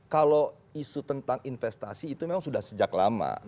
kalau isu tentang investasi itu memang sudah sejak lama